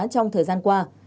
trong thời gian qua